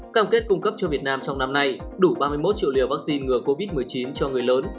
cam kết cung cấp cho việt nam trong năm nay đủ ba mươi một triệu liều vaccine ngừa covid một mươi chín cho người lớn